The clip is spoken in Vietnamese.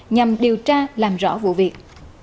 nhằm điều tra làm rõ vụ việc